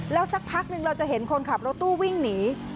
แล้วสักพักหนึ่งเราจะเห็นคนขับรถตู้วิ่งหนี